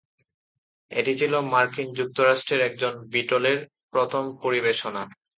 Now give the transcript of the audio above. এটি ছিল মার্কিন যুক্তরাষ্ট্রের একজন বিটলের প্রথম পরিবেশনা।